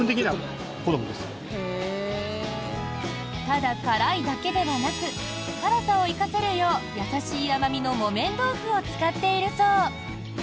ただ辛いだけではなく辛さを生かせるよう優しい甘味の木綿豆腐を使っているそう。